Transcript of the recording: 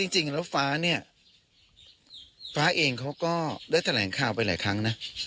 จริงแล้วฟ้าเนี่ยฟ้าเองเขาก็ได้แถลงข่าวไปหลายครั้งนะ